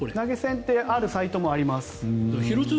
投げ銭ってあるサイトもあります。